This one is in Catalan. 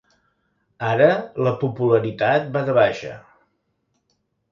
Ara la popularitat va de baixa.